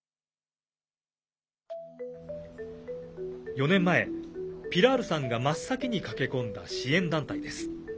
４年前、ピラールさんが真っ先に駆け込んだ支援団体です。